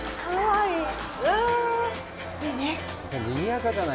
いいね！